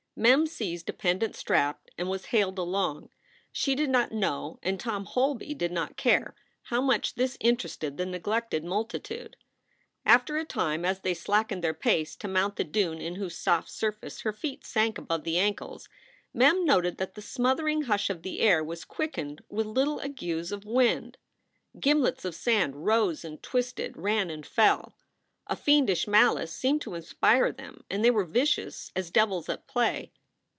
Mem seized a pendent strap and was haled along. She did not know, and Tom Holby did not care, how much this interested the neglected multitude. After a time, as they slackened their pace to mount the dune in whose soft surface her feet sank above the ankles, Mem noted that the smothering hush of the air was quick ened with little agues of wind. Gimlets of sand rose and twisted, ran and fell. A fiendish malice seemed to inspire them and they were vicious as devils at play.